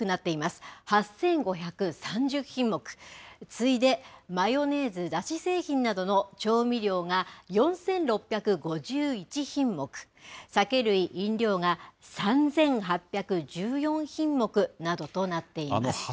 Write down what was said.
次いでマヨネーズ、だし製品などの調味料が４６５１品目、酒類・飲料が３８１４品目などとなっています。